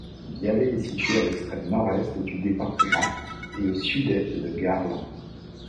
Vialer est située à l'extrême nord-est du département et au sud-est de Garlin.